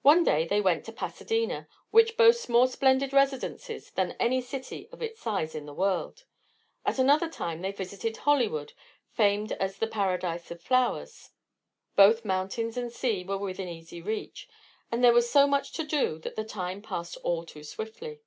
One day they went to Pasadena, which boasts more splendid residences than any city of its size in the world; at another time they visited Hollywood, famed as "the Paradise of Flowers." Both mountains and sea were within easy reach, and there was so much to do that the time passed all too swiftly.